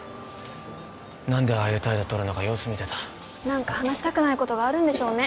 何でああいう態度とるのか様子見てた何か話したくないことがあるんでしょうね